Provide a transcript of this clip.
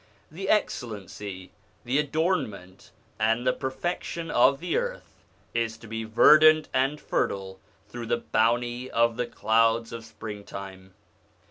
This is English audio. The excellency, the adornment, and the perfection of the earth is to be verdant and fertile through the bounty of the clouds of springtime.